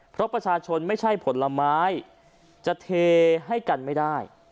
เพราะประชาชนไม่ใช่ผลไม้จะเทให้กันไม่ได้